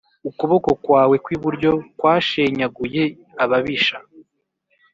Ukuboko kwawe kw’iburyo kwashenjaguye ababisha